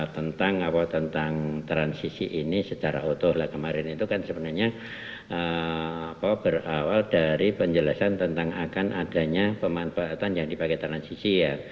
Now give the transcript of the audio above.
tentang transisi ini secara utuh lah kemarin itu kan sebenarnya berawal dari penjelasan tentang akan adanya pemanfaatan yang dipakai transisi ya